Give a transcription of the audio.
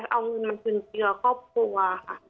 เอาเงินมาจุนเจือครอบครัวค่ะ